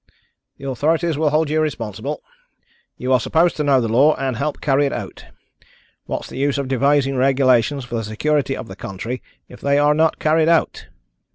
"The authorities will hold you responsible. You are supposed to know the law, and help to carry it out. What's the use of devising regulations for the security of the country if they are not carried out?